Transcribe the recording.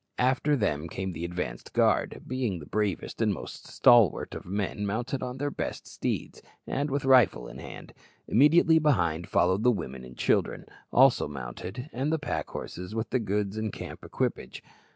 After them came the advance guard, being the bravest and most stalwart of the men mounted on their best steeds, and with rifle in hand; immediately behind followed the women and children, also mounted, and the pack horses with the goods and camp equipage.